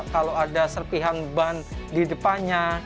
kalau ada serpihan ban di depannya